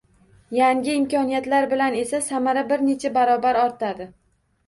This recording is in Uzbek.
Yangi imkoniyatlar bilan esa samara bir necha barobar ortadi